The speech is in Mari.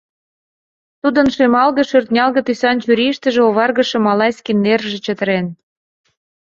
Тудын щемалге-шӧртнялге тӱсан чурийыштыже оваргыше малайский нерже чытырен.